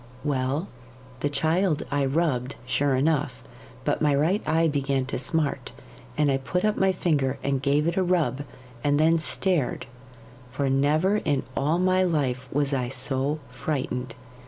'Well, the child I rubbed, sure enough; but my right eye began to smart, and I put up my finger and gave it a rub, and then stared, for never in all my life was I so frightened.